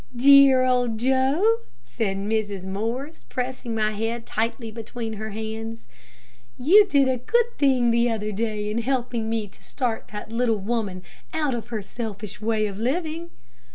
"Dear old Joe," said Mrs. Morris, pressing my head tightly between her hands. "You did a good thing the other day in helping me to start that little woman out of her selfish way of living."